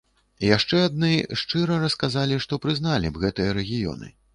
Яшчэ адны шчыра расказалі, што прызналі б гэтыя рэгіёны.